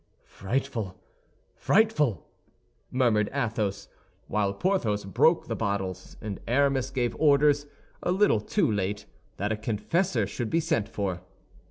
"Frightful! frightful!" murmured Athos, while Porthos broke the bottles and Aramis gave orders, a little too late, that a confessor should be sent for.